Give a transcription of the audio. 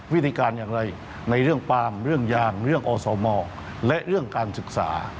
วิธีการอย่างไรในเรื่องปาล์มเรื่องยางเรื่องอสมและเรื่องการศึกษา